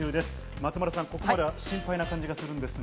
松丸さん、ここまで心配な感じがするんですが。